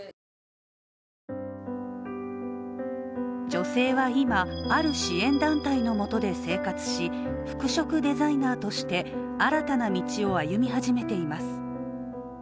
女性は今、ある支援団体のもとで生活し、服飾デザイナーとして新たな道を歩み始めています。